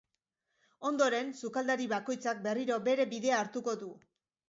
Ondoren, sukaldari bakoitzak berriro bere bidea hartuko du.